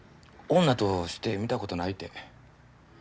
女として見たことないて。